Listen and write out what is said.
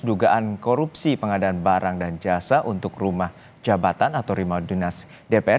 dugaan korupsi pengadaan barang dan jasa untuk rumah jabatan atau rumah dinas dpr